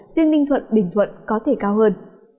riêng ninh thuận bình thuận có thể cao hơn